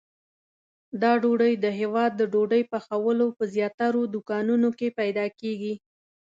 دا ډوډۍ د هیواد د ډوډۍ پخولو په زیاترو دوکانونو کې پیدا کېږي.